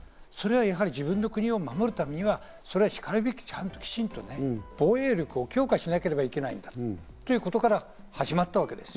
自分の国を守るためにはしかるべき、ちゃんと、きちんとね、防衛力を強化しなければいけないんだということから始まったわけです。